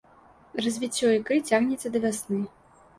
Развіццё ікры цягнецца да вясны.